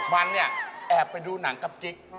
วันเนี่ยแอบไปดูหนังกับจิ๊ก